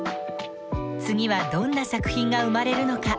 次はどんな作品が生まれるのか。